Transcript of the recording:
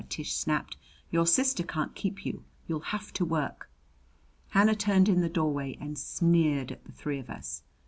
Tish snapped. "Your sister can't keep you. You'll have to work." Hannah turned in the doorway and sneered at the three of us.